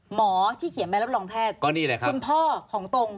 หมอที่เขียนใบรักษาลองแพทย์คุณพ่อของตลง